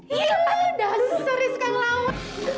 iyuh dasar ya sekarang lautan